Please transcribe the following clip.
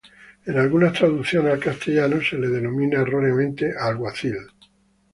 En algunas traducciones al castellano se lo denomina erróneamente alguacil.